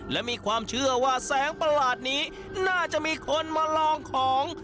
และมีความเชื่อว่าแสงประหลาดนี้น่าจะมีคนมาลองของ